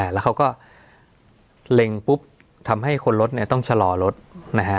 แล้วเขาก็เล็งปุ๊บทำให้คนรถเนี่ยต้องชะลอรถนะฮะ